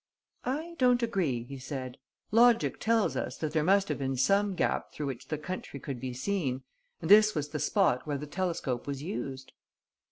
"I don't agree," he said. "Logic tells us that there must have been some gap through which the country could be seen and this was the spot where the telescope was used."